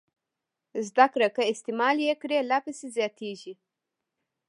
زده کړه که استعمال یې کړئ لا پسې زیاتېږي.